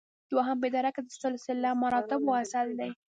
دوهم په اداره کې د سلسله مراتبو اصل دی.